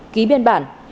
ký biên bản